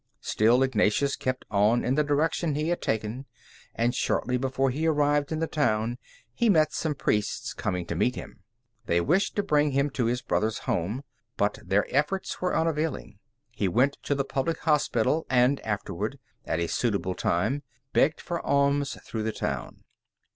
Still Ignatius kept on in the direction he had taken, and shortly before he arrived in the town he met some priests coming to meet him. They wished to bring him to his brother's home; but their efforts were unavailing. He went to a public hospital, and afterward, at a suitable time, begged for alms through the town.